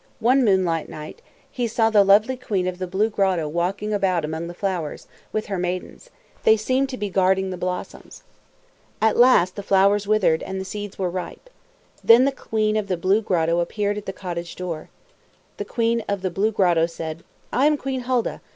One moonlight night, he saw the lovely queen of the Blue Grotto walking about among the flowers, with her maidens. They seemed to be guarding the blossoms. At last the flowers had withered, and the seeds were ripe. Then the queen of the Blue Grotto appeared at the cottage door. The queen of the Blue Grotto said, "I am Queen Hulda.